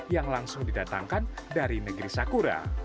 yang langsung didatangkan dari negeri sakura